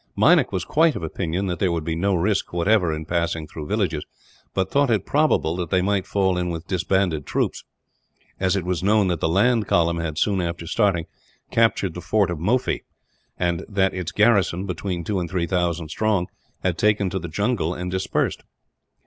Meinik was quite of opinion that there would be no risk, whatever, in passing through villages; but thought it probable that they might fall in with disbanded troops, as it was known that the land column had, soon after starting, captured the fort of Mophi; and that its garrison, between two and three thousand strong, had taken to the jungle and dispersed.